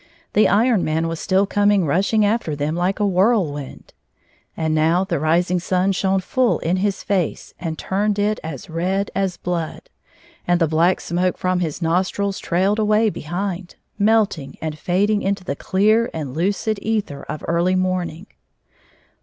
The Iron Man was still coming rushing after them like a whirlwind. And now the rising sun shone ftdl in his face and turned it as red as blood, and the black smoke from his nostrils trailed away behind, melting and fading into the clear and lucid ether of early morning.